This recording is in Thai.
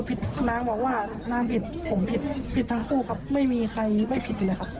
ผิดทั้งคู่ครับไม่มีใครผิดแล้วครับ